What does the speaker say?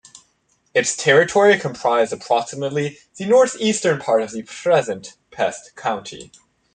Its territory comprised approximately the north-eastern part of present Pest County.